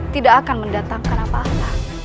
tidak akan mendatangkan apa apa